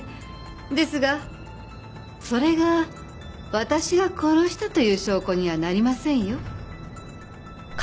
ですがそれが私が殺したという証拠にはなりませんよ。